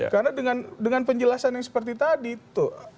karena dengan penjelasan yang seperti tadi tuh